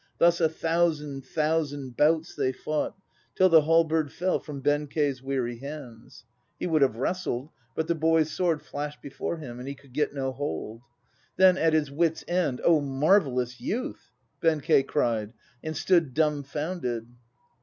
Thus a thousand, thousand bouts they fought, Till the halberd fell from Benkei's weary hands. He would have wrestled, but the boy's sword flashed before him, And he could get no hold. Then at his wits' end, "Oh, marvellous youth!" Benkei cried, and stood dumbfounded.